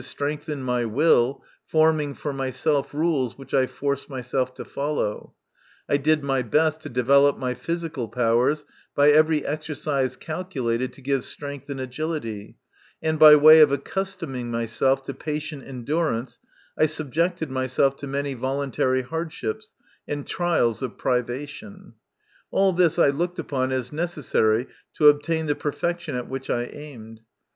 strengthen my will, forming for myself rules which I forced myself to follow ; I did my best to develop my physical powers by every exer cise calculated to give strength and agility, and by way of accustoming myself to patient endur ance, I subjected myself to many voluntary hardships and trials of privation. All this I looked upon as necessary to obtain the perfec tion at which I aimed.